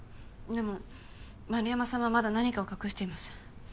でも円山さんはまだ何かを隠しています。